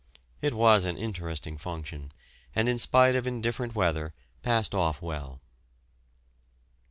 It was an interesting function, and in spite of indifferent weather passed off well.